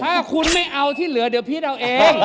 ถ้าคุณไม่เอาที่เหลือเดี๋ยวพีชเอาเอง